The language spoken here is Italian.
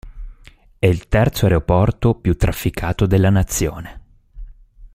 È il terzo aeroporto più trafficato della nazione.